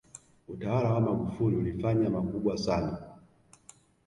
utawala wa Magufuli ulifanya makubwa sana